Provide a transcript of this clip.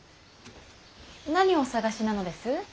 何をお探しなのです？